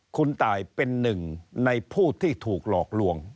คุณตายเป็นหนึ่งในผู้ที่ถูกหลอกลวง